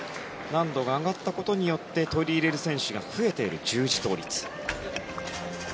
難度が上がったことによって取り入れる選手が増えている十字倒立。